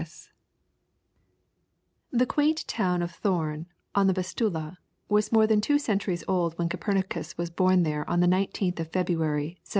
] The quaint town of Thorn, on the Vistula, was more than two centuries old when Copernicus was born there on the 19th of February, 1473.